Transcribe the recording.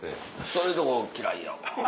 そういうとこ嫌いやわ。